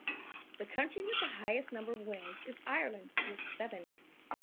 The country with the highest number of wins is Ireland, with seven.